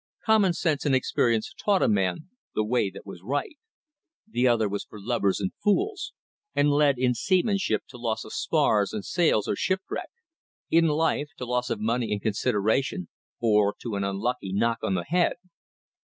Common sense and experience taught a man the way that was right. The other was for lubbers and fools, and led, in seamanship, to loss of spars and sails or shipwreck; in life, to loss of money and consideration, or to an unlucky knock on the head.